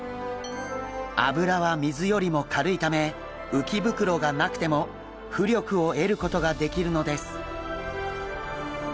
脂は水よりも軽いため鰾がなくても浮力を得ることができるのです。